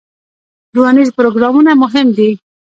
روزنیز پروګرامونه مهم دي